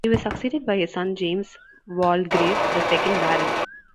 He was succeeded by his son James Waldegrave, the second Baron.